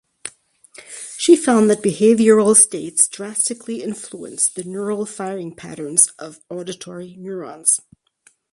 She found that behavioral states drastically influence the neural firing patterns of auditory neurons.